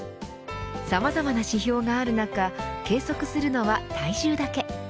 さまざまな指標がある中計測するのは体重だけ。